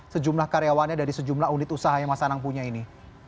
sejumlah karyawannya dari sejumlah unit usaha yang mas anang punya ini